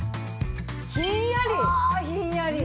ひんやり。